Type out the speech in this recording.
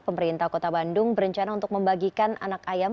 pemerintah kota bandung berencana untuk membagikan anak ayam